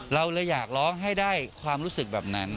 เราเลยอยากร้องให้ได้ความรู้สึกแบบนั้น